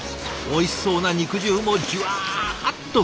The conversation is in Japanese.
おいしそうな肉汁もじゅわっと。